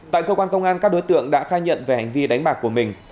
tại cơ quan công an các đối tượng đã khai nhận về hành vi đánh bạc của mình